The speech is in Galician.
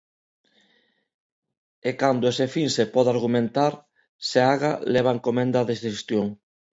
E cando ese fin se pode argumentar, Seaga leva a encomenda de xestión.